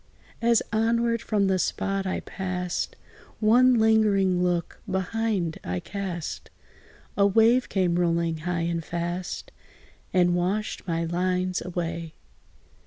As onward from the spot I passed, One lingering look behind I cast: A wave came rolling high and fast, And washed my lines away.